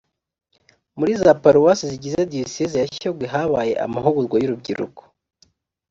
muri za paruwase zigize diyosezi ya shyogwe habaye amahugurwa y’urubyiruko